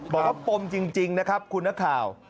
บอกว่าปมจริงนะครับคุณนักข่าว